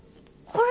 これ？